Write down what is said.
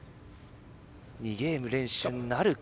２ゲーム連取なるか。